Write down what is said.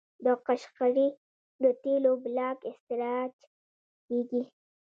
د قشقري د تیلو بلاک استخراج کیږي.